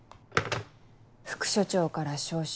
副署長から招集